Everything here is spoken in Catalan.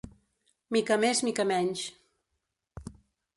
Mica més, mica menys.